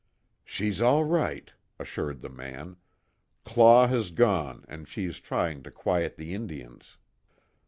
"She's all right," assured the man, "Claw has gone, and she is trying to quiet the Indians."